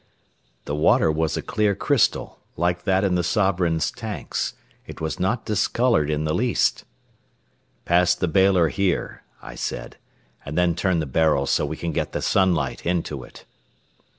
The water was a clear crystal, like that in the Sovereign's tanks. It was not discolored in the least. "Pass the bailer here," I said; "and then turn the barrel so we can get the sunlight into it."